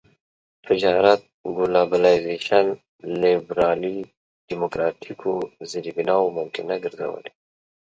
تجارت ګلوبلایزېشن لېبرالي ډيموکراټيکو زېربناوو ممکنه ګرځولي.